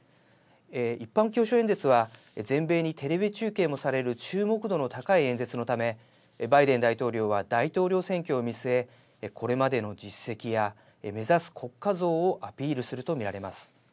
一般教書演説は全米にテレビ中継もされる注目度の高い演説のためバイデン大統領は大統領選挙を見据えこれまでの実績や目指す国家像をアピールすると見られます。